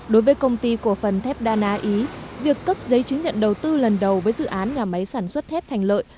đối với công ty cổ phần thép đa na ý việc cấp giấy chứng nhận đầu tư lần đầu với dự án nhà máy sản xuất thép thành lợi